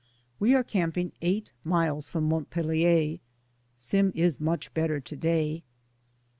We are camping eight miles from Mont pelier. Sim is much better to day.